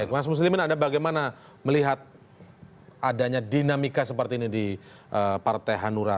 mas muslimin anda bagaimana melihat adanya dinamika seperti ini di partai hanura